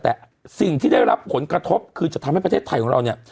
แต่สิ่งที่ได้รับผลกระทบคือจะทำให้ประเทศไทยของเราเนี่ย